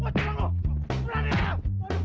wah celang loh